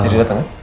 jadi datang ya